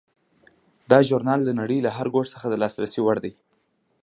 دا ژورنال د نړۍ له هر ګوټ څخه د لاسرسي وړ دی.